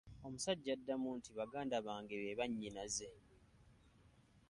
Omusajja addamu nti baganda bange be bannyinaze.